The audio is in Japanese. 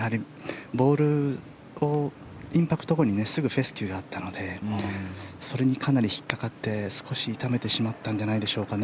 ボールをインパクト後にすぐフェスキューがあったのでそれにかなり引っかかって少し痛めてしまったのではないでしょうか。